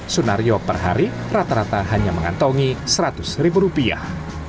sunario per hari rata rata hanya mengantongi seratus ribu rupiah